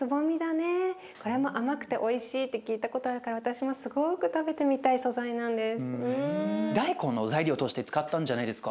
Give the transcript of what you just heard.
これも甘くておいしいって聞いたことあるから私もすごく食べてみたい素材なんです。